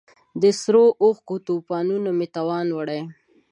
د سرو اوښکو توپانونو مې توان وړی